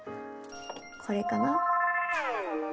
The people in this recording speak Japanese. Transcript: これかな？